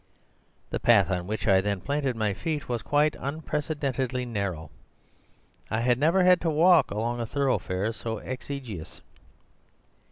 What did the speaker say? The path on which I then planted my feet was quite unprecedentedly narrow. I had never had to walk along a thoroughfare so exiguous.